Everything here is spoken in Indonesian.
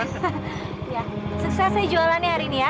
suksesnya jualannya hari ini ya